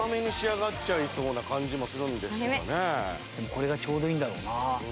これがちょうどいいんだろうな。